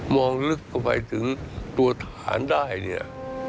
มองลึกเข้าไปถึงตัวฐานได้